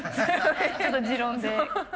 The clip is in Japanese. ちょっと持論で。